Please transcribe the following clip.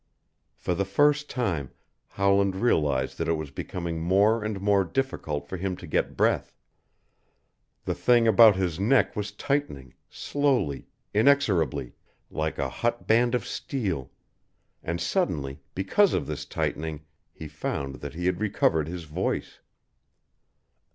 For the first time Howland realized that it was becoming more and more difficult for him to get breath. The thing about his neck was tightening, slowly, inexorably, like a hot band of steel, and suddenly, because of this tightening, he found that he had recovered his voice.